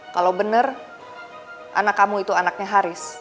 kalau benar anak kamu itu anaknya haris